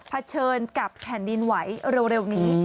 เฉินกับแผ่นดินไหวเร็วนี้